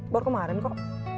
baru kemarin kok